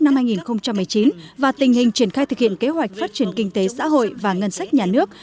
năm hai nghìn một mươi chín và tình hình triển khai thực hiện kế hoạch phát triển kinh tế xã hội và ngân sách nhà nước